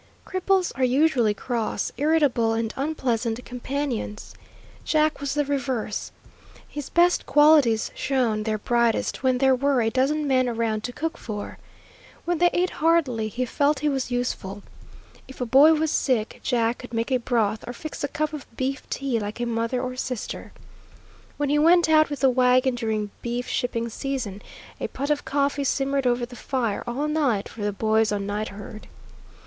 Cripples are usually cross, irritable, and unpleasant companions. Jack was the reverse. His best qualities shone their brightest when there were a dozen men around to cook for. When they ate heartily he felt he was useful. If a boy was sick, Jack could make a broth, or fix a cup of beef tea like a mother or sister. When he went out with the wagon during beef shipping season, a pot of coffee simmered over the fire all night for the boys on night herd.